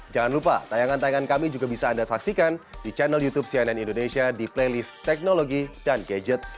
jangan lupa tayangan tayangan kami juga bisa anda saksikan di channel youtube cnn indonesia di playlist teknologi dan gadget